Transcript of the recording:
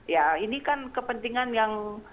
ya ini kan kepentingan yang